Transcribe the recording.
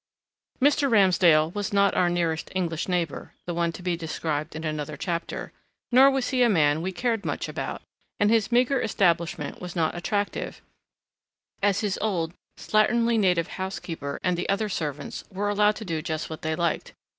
Mr. Ramsdale was not our nearest English neighbour the one to be described in another chapter; nor was he a man we cared much about, and his meagre establishment was not attractive, as his old slatternly native housekeeper and the other servants were allowed to do just what they liked.